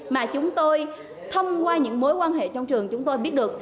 mà chúng tôi thông qua những mối quan hệ trong trường chúng tôi biết được